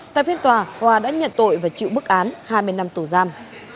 tại phiên tòa hòa đã nhận tội và chịu bức án hai mươi năm tù giam